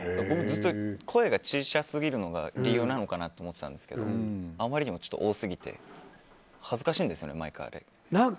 声が小さすぎるのが理由なのかなと思ってたんですけどあまりにも多すぎて恥ずかしいんですよね、毎回。